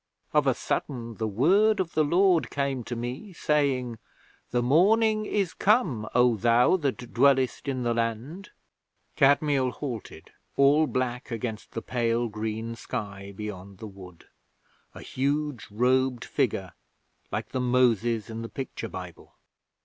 Of a sudden, the Word of the Lord came to me saying, "The Morning is come, O thou that dwellest in the land."' Kadmiel halted, all black against the pale green sky beyond the wood a huge robed figure, like the Moses in the picture Bible.